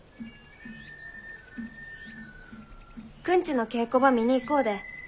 くんちの稽古ば見に行こうで。